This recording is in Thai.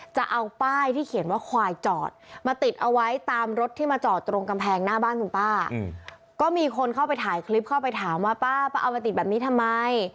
จะเอาป้ายที่เขียนว่าควายจอดมาติดเอาไว้ตามรถที่มาจอดตรงกำแพงหน้าบ้านคุณป้าก็มีคนเข้าไปถ่ายคลิปเข้าไปถามว่าป้าป้าเอามาติดแบบนี้ทำไม